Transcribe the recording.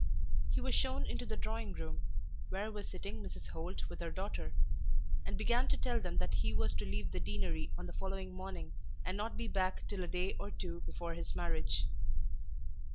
He was shown into the drawing room, where was sitting Mrs. Holt with her daughter, and began to tell them that he was to leave the Deanery on the following morning and not be back till a day or two before his marriage.